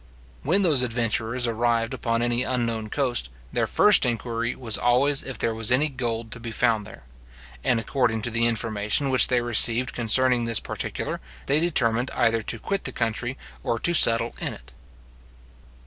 When those adventurers arrived upon any unknown coast, their first inquiry was always if there was any gold to be found there; and according to the information which they received concerning this particular, they determined either to quit the country or to settle in it.